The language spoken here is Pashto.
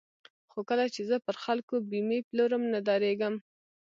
خو کله چې زه پر خلکو بېمې پلورم نه درېږم.